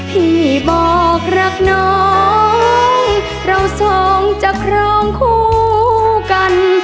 พี่บอกรักน้องเราสองจะครองคู่กัน